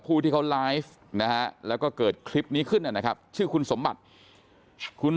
ผู้ที่เขาไลฟ์นะฮะแล้วก็เกิดคลิปนี้ขึ้นนะครับชื่อคุณสมบัติคุณ